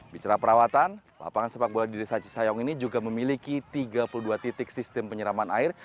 bicara perawatan lapangan sepak bola di desa cisayong ini juga memiliki tiga puluh dua titik sistem penyiraman air